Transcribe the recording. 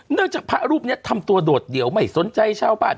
จากพระรูปนี้ทำตัวโดดเดี่ยวไม่สนใจชาวบ้าน